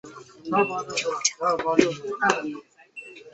鲁尔是位于美国阿肯色州卡罗尔县的一个非建制地区。